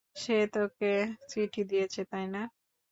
সে তোকে চিঠি দিয়েছে, তাই না?